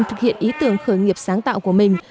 thực hiện ý tưởng khởi nghiệp sáng tạo của mình